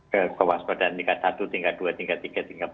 ke kewaspadaan tingkat satu tingkat dua tingkat tiga tingkat empat